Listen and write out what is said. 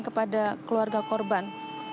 kepada keluarga korban